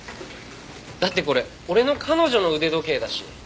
だってこれ俺の彼女の腕時計だし。